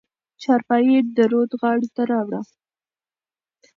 چارپايي يې د رود غاړې ته راوړه.